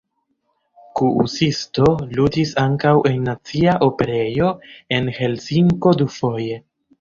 Kuusisto ludis ankaŭ en nacia operejo en Helsinko dufoje.